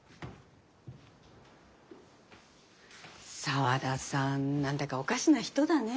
沢田さん何だかおかしな人だね。